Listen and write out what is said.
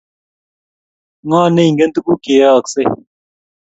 Ngo neingen tuguk cheyoyeske?